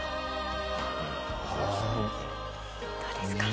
どうですか？